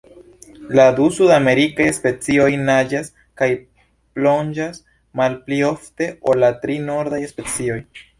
La du sudamerikaj specioj naĝas kaj plonĝas malpli ofte ol la tri nordaj specioj.